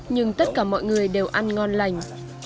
nhưng tất cả mọi người đều ăn ngon lành